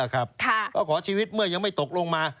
ก็ขอชีวิตเมื่อยังไม่ตกลงมา